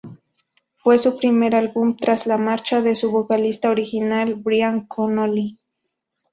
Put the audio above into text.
Fue su primer álbum tras la marcha de su vocalista original Brian Connolly.